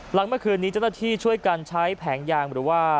หลังเมื่อคืนนี้เจ้าหน้าที่ช่วยกันใช้แผงยางหรือว่า